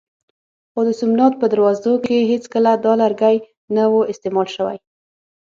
خو د سومنات په دروازو کې هېڅکله دا لرګی نه و استعمال شوی.